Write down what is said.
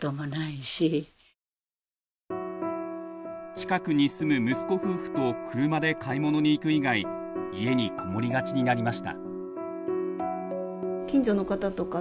近くに住む息子夫婦と車で買い物に行く以外家にこもりがちになりました。